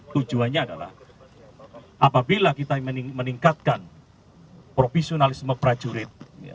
tujuannya adalah apabila kita meningkatkan profesionalisme prajurit